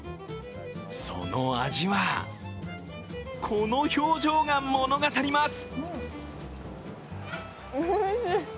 その味は、この表情が物語ります。